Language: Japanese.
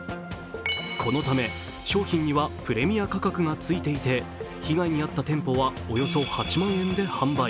このため商品にはプレミア価格がついていて被害に遭った店舗は、およそ８万円で販売。